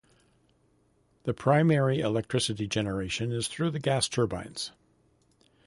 The primary electricity generation is through the Gas turbines.